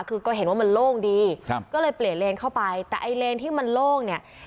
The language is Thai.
คือก็เห็นว่ามันโล่งดีครับก็เลยเปลี่ยนเลนเข้าไปแต่ไอ้เลนที่มันโล่งเนี่ย